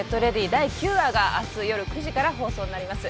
第９話が明日夜９時から放送になります